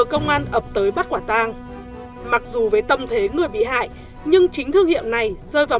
công an ập tới bắt quả tang mặc dù với tâm thế người bị hại nhưng chính thương hiệu này rơi vào